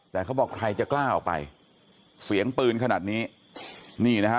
แต่เขาบอกใครจะกล้าออกไปเสียงปืนขนาดนี้นี่นะฮะ